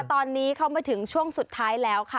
ตอนนี้เข้ามาถึงช่วงสุดท้ายแล้วค่ะ